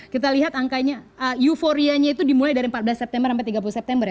kita lihat angkanya euforianya itu dimulai dari empat belas september sampai tiga puluh september ya